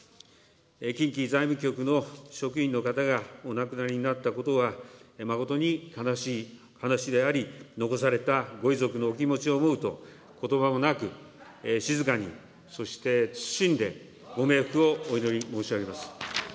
近畿財務局の職員の方がお亡くなりになったことは、誠に悲しい話であり、残されたご遺族のお気持ちを思うと、ことばもなく、静かに、そして謹んでご冥福をお祈り申し上げます。